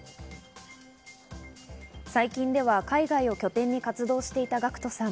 最近では海外を拠点に活動をしていたＧＡＣＫＴさん。